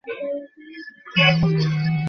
নৌ-সেনার একজন বৈমানিক।